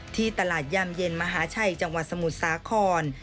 ที่ตลาดยามเย็นมหาชัยจังหวัดสมุทรสาคร